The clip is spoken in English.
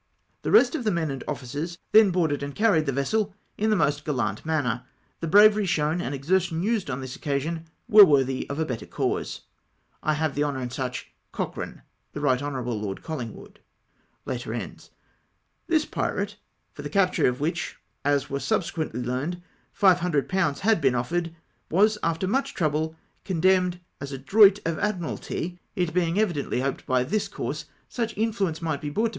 "The rest of the men and officers then boarded and 236 OFF TOULOX, carried the vessel in the most gallant manner. The bravery shown and exertion used on this occasion were worthy of a better cause. " I have the honour, &c. " Cochrane. " The Eight Hon. Lord Collingwood." This pirate, for the capture of which, as was subse quently learned, 500/. had been offered, was after much trouble condemned as a droit of Admiralty! it being evidently hoped that by tliis course such influence might be brought to.